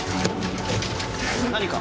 何か？